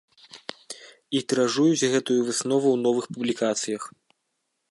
І тыражуюць гэтую выснову ў новых публікацыях.